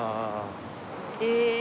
へえ！